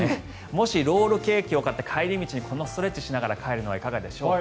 もし、ロールケーキを買って帰り道にこのストレッチしながら帰るのはいかがでしょうか。